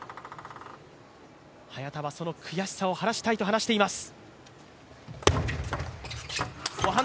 早田はその悔しさを晴らしたいと話しています。